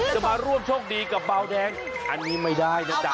จะมาร่วมโชคดีกับเบาแดงอันนี้ไม่ได้นะจ๊ะ